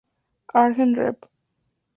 Argent., Rev.